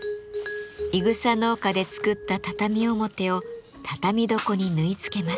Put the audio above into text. いぐさ農家で作った畳表を畳床に縫い付けます。